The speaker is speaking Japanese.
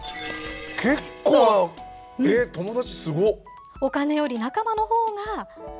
結構なえっ友達すごっ。